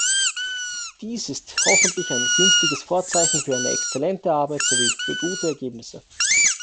Dies ist hoffentlich ein günstiges Vorzeichen für eine exzellente Arbeit sowie für gute Ergebnisse.